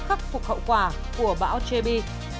khắc phục hậu quả của bão jebi